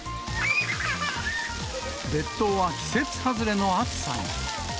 列島は季節外れの暑さに。